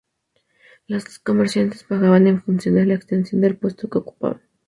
Los comerciantes pagaban en función de la extensión del puesto que ocupaban.